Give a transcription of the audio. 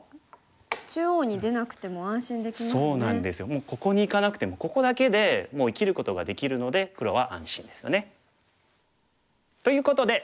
もうここにいかなくてもここだけでもう生きることができるので黒は安心ですよね。ということで。